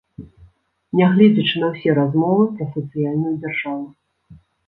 Нягледзячы на ўсе размовы пра сацыяльную дзяржаву.